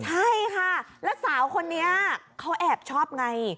ใช่ค่ะแล้วสาวคนนี้เขาแอบชอบไง